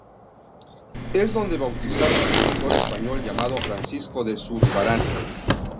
Es donde bautizaron al pintor español, llamado Francisco de Zurbarán.